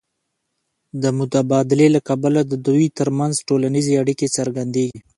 د مبادلې له کبله د دوی ترمنځ ټولنیزې اړیکې څرګندېږي